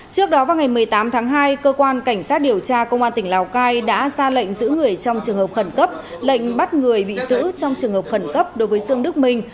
trước đó vào ngày một mươi tám tháng hai cơ quan cảnh sát điều tra công an tỉnh lào cai đã ra lệnh giữ người trong trường hợp khẩn cấp lệnh bắt người bị giữ trong trường hợp khẩn cấp đối với dương đức minh